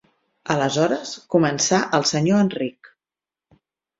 Aleshores començà el senyor Enric.